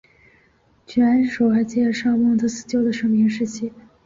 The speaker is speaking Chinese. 卷首还介绍孟德斯鸠的生平事迹。